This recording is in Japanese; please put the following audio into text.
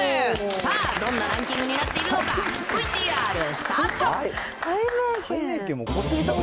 さあ、どんなランキングになっているのか、ＶＴＲスタート。